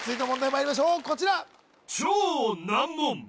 まいりましょうこちら